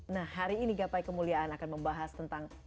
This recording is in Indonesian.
nah hari ini gapai kemuliaan akan membahas tentang